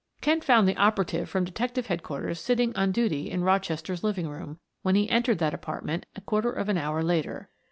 Kent found the operative from Detective Headquarters sitting on duty in Rochester's living room when he entered that apartment a quarter of an hour later.